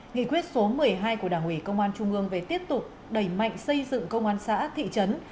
nghị quyết số một mươi hai của đảng ủy công an trung ương về tiếp tục đẩy mạnh xây dựng công an xã thị trấn